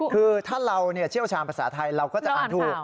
คือถ้าเราเชี่ยวชาญภาษาไทยเราก็จะอ่านถูก